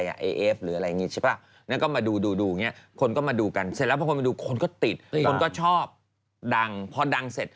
ก็เหมือนเมืองไทยทุกวันเนี่ยดาราดังปุ๊บไปขาย